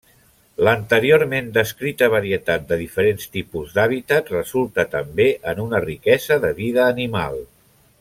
L'anteriorment descrita varietat de diferents tipus d’hàbitat resulta també en una riquesa de vida animal.